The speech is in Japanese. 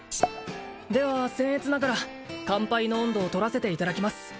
ではせん越ながら乾杯の音頭を取らせていただきます